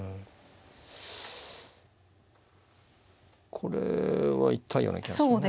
これは痛いような気がしますね。